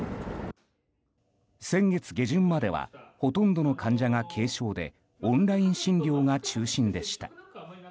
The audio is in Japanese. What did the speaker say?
先月下旬まではほとんどの患者が軽症でオンライン診療が中心でした。